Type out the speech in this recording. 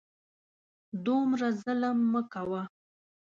دومره ظلم مه کوه !